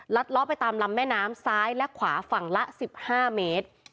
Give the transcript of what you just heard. ล้อไปตามลำแม่น้ำซ้ายและขวาฝั่งละ๑๕เมตร